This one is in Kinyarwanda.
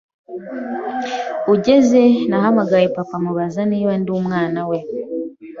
ugeze nahamagaye papa mubaza niba ndi umwana we,